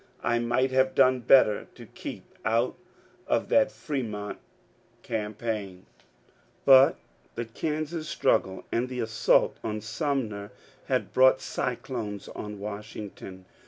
I might have done better to keep out of that Fremont campaign, but 244 MONCURE DANIEL C»NWAT the Kansas straggle and the assault on Sumner had brought cyclones on Washington.